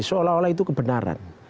seolah olah itu kebenaran